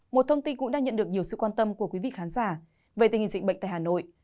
một thông tin cũng đang nhận được nhiều sự quan tâm của quý vị khán giả về tình hình dịch bệnh tại hà nội